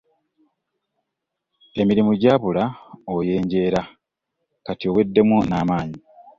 Emirimu gyabula oyenjeera, kati oweddemu n’amaanyi.